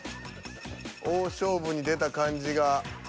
大勝負に出た感じが。